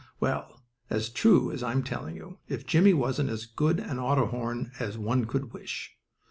Well, as true as I'm telling you, if Jimmie wasn't as good an auto horn as one could wish.